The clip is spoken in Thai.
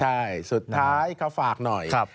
ใช่สุดท้ายเขาฝากหน่อย